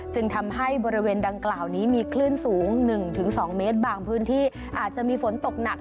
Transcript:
จึงทำให้บริเวณดังกล่าวนี้มีคลื่นสูง๑๒เมตรบางพื้นที่อาจจะมีฝนตกหนัก